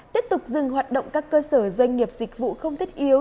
tiếp tục dừng hoạt động các cơ sở doanh nghiệp dịch vụ không thiết yếu